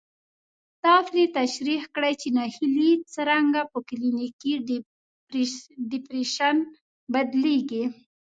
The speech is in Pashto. دا پرې تشرېح کړي چې ناهيلي څرنګه په کلينيکي ډېپريشن بدلېږي.